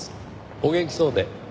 お元気そうで。